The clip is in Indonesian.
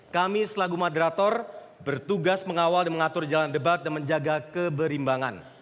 kami selagu moderator bertugas mengawal dan mengatur jalan debat dan menjaga keberimbangan